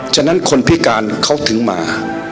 ฉะนั้นคนพิการเขาถึงมา